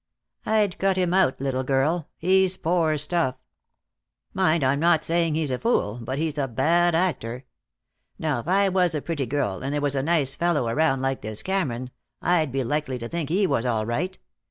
"I'd cut him out, little girl. He's poor stuff. Mind, I'm not saying he's a fool, but he's a bad actor. Now if I was a pretty girl, and there was a nice fellow around like this Cameron, I'd be likely to think he was all right.